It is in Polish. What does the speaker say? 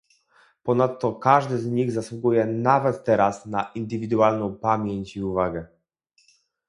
Ponadto każdy z nich zasługuje nawet teraz na indywidualną pamięć i uwagę